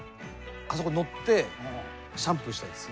あそこに乗ってシャンプーしたいです。